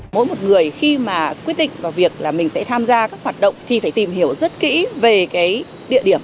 mỗi một người khi mà quyết định vào việc là mình sẽ tham gia các hoạt động thì phải tìm hiểu rất kỹ về cái địa điểm